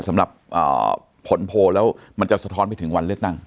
สำหรับผลโพลแล้วมันจะสะท้อนไปถึงวันเลือกตั้ง